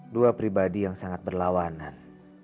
dua pribadi yang sangat berlawanan